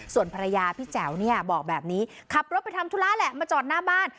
ส่วนภรรยาพี่แจ๋วเนี่ยบอกแบบนี้ขับรถไปทำธุระแหละมาจอดหน้าบ้าน